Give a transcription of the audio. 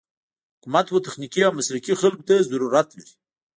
حکومت و تخنيکي او مسلکي خلکو ته ضرورت لري.